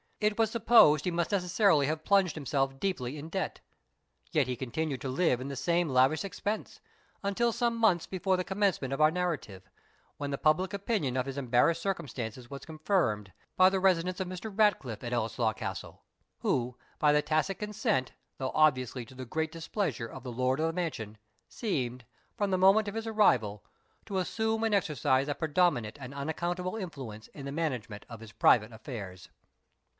It was supposed he must necessarily have plunged himself deeply in debt. Yet he continued to live in the same lavish expense, until some months before the commencement of our narrative, when the public opinion of his embarrassed circumstances was confirmed, by the residence of Mr. Ratcliffe at Ellieslaw Castle, who, by the tacit consent, though obviously to the great displeasure, of the lord of the mansion, seemed, from the moment of his arrival, to assume and exercise a predominant and unaccountable influence in the management of his private affairs.